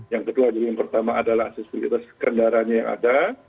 yang kedua juga yang pertama adalah aksesibilitas kendaraannya yang ada